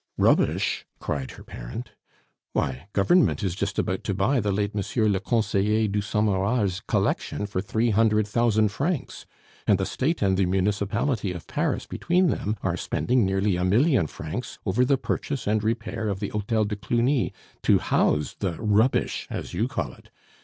"Rubbish!" cried her parent. "Why, Government is just about to buy the late M. le Conseiller Dusommerard's collection for three hundred thousand francs; and the State and the Municipality of Paris between them are spending nearly a million francs over the purchase and repair of the Hotel de Cluny to house the 'rubbish,' as you call it.